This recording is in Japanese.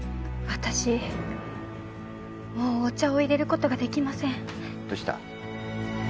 私もうお茶を入れることができませんどうした？